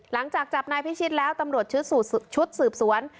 หลังจากจับนายพิชิตแล้วตำรวจชุดสืบสวน